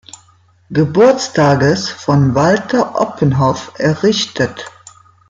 Geburtstages von Walter Oppenhoff errichtet.